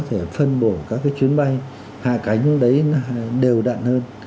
có thể phân bổ các cái chuyến bay hạ cánh đấy đều đặn hơn